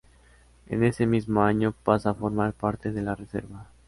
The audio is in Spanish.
En ese mismo año pasa a formar parte de la 'Reserva'.